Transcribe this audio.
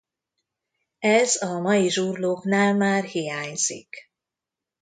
Ez a mai zsurlóknál már hiányzik.